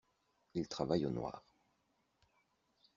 Ils travaillent au noir.